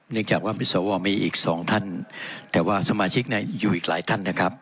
จากว่ามีสวมีอีกสองท่านแต่ว่าสมาชิกเนี่ยอยู่อีกหลายท่านนะครับ